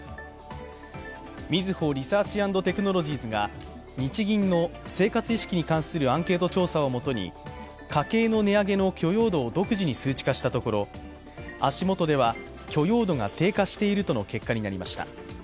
みずほリサーチ＆テクノロジーズが日銀の生活意識に関するアンケート調査をもとに、家計の値上げの許容度を独自に数値化したところ足元では、許容度が低下しているとの結果になりました。